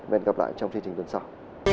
hẹn gặp lại trong chương trình tuần sau